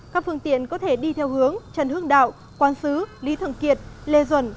các phương tiện có thể đi theo hướng trần hương đạo quán sứ lý thượng kiệt lê duẩn